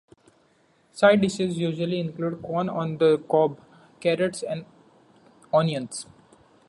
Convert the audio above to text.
Side dishes usually include, corn on the cob, carrots, and onions.